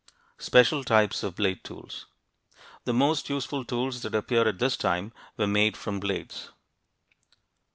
SPECIAL TYPES OF BLADE TOOLS The most useful tools that appear at this time were made from blades.